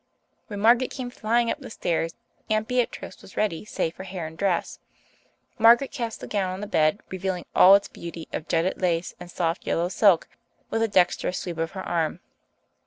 When Margaret came flying up the stairs Aunt Beatrice was ready save for hair and dress. Margaret cast the gown on the bed, revealing all its beauty of jetted lace and soft yellow silk with a dextrous sweep of her arm.